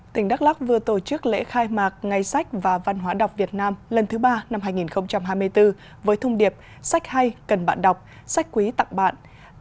tỉnh đắk lắc vừa tổ chức lễ khai mạc ngày sách và văn hóa đọc việt nam lần thứ ba năm hai nghìn hai mươi bốn với thung điệp sách hay cần bạn đọc sách quý tặng bạn